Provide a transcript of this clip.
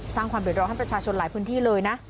ความเดือดร้อนให้ประชาชนหลายพื้นที่เลยนะ